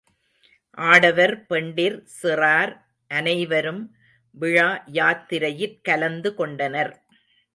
ஆடவர், பெண்டிர், சிறார் அனைவரும் விழா யாத்திரையிற் கலந்து கொண்டனர்.